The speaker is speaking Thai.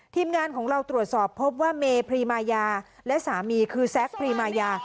ทีมงานของเราตรวจสอบพบว่าเมพรีมายาและสามีคือแซคพรีมายา